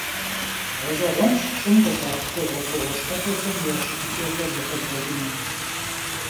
Ğeş'eğuenş ş'ım khış'ax xhuğuef'ığue şhexuexem ya şıtıç'exer zexebğeç'ınu.